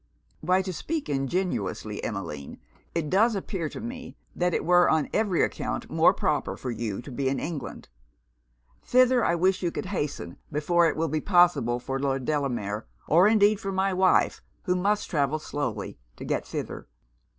'Why to speak ingenuously, Emmeline, it does appear to me that it were on every account more proper for you to be in England. Thither I wish you could hasten, before it will be possible for Lord Delamere, or indeed for my wife, who must travel slowly, to get thither.